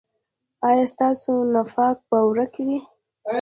ایا ستاسو نفاق به ورک وي؟